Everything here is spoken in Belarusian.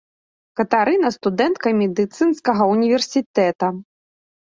Катарына, студэнтка медыцынскага ўніверсітэта.